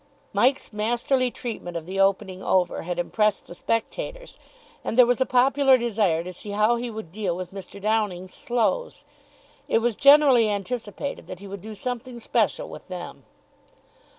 Mike's masterly treatment of the opening over had impressed the spectators, and there was a popular desire to see how he would deal with Mr. Downing's slows. It was generally anticipated that he would do something special with them.